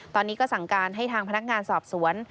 ตอนนี้ก็สั่งการให้ทางพนักงานสอบสวน